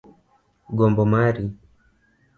Gombo mari.